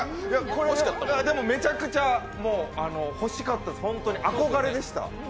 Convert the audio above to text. これはめちゃくちゃ欲しかったです、本当に憧れでした。